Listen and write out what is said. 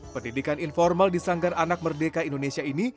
pendidikan informal di sanggar anak merdeka indonesia ini